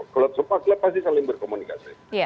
kalau sepakat pasti saling berkomunikasi